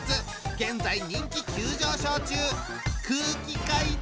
現在人気急上昇中！